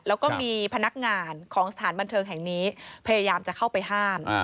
แล้วก็มีพนักงานของสถานบันเทิงแห่งนี้พยายามจะเข้าไปห้าม